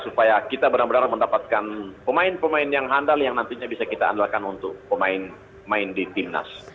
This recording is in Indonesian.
supaya kita benar benar mendapatkan pemain pemain yang handal yang nantinya bisa kita andalkan untuk pemain di timnas